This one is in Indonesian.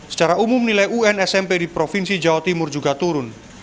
secara umum nilai un smp di provinsi jawa timur juga turun